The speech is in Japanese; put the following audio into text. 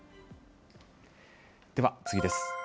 では、次です。